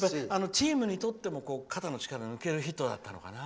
チームにとっても肩の力が抜けるヒットだったのかな。